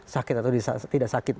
sakit atau tidak sakit